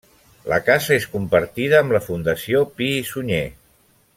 La casa és compartida amb la Fundació Pi i Sunyer.